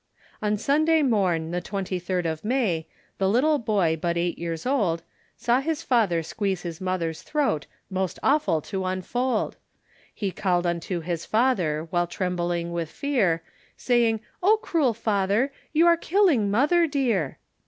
On Sunday morn, the twenty third of May, The little boy, but eight years old, Saw his father squeeze his mother's throat, Most awful to unfold; He called unto his father, While trembling with fear, Saying, oh, cruel father, You are killing mother dear.